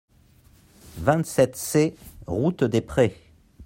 vingt-sept C route des Prés